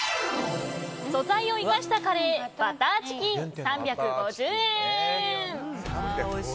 素材を生かしたカレーバターチキン、３５０円。